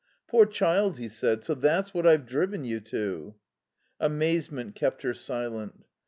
"Poor child," he said, "so that's what I've driven you to?" Amazement kept her silent.